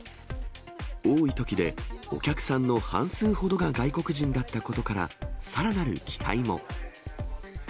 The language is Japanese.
多いときでお客さんの半数ほどが外国人だったことから、さらなる期待も。